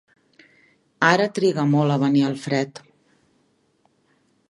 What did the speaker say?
Ara triga molt a venir el fred.